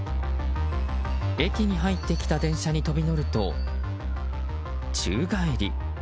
駅に入ってきた電車に飛び乗ると宙返り。